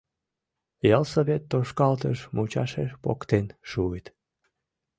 Ялсовет тошкалтыш мучашеш поктен шуыт.